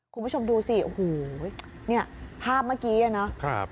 คุณผู้ชมดูสิโอ้โหนี่ภาพเมื่อกี้เนอะ